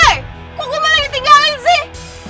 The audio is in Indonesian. woy kok gua malah ditinggalin sih